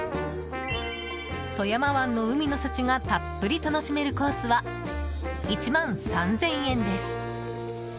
富山湾の海の幸がたっぷり楽しめるコースは１万３０００円です。